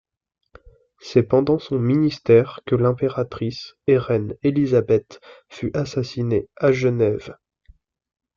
C'est pendant son ministère que l'impératrice et reine Elisabeth fut assassinée à Genève.